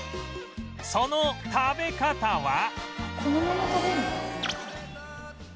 その食べ方は